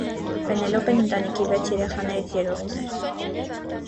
Պենելոպեն ընտանիքի վեց երեխաներից երրորդն էր։